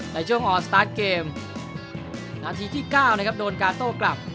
ในช่วงออกสตาร์ทเกมนาทีที่๙นะครับโดนกาโต้กลับ